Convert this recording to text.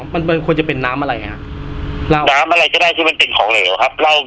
อ๋อมันควรจะเป็นน้ำอะไรอ่ะน้ำอะไรจะได้ที่มันเป็นของอะไรหรอครับ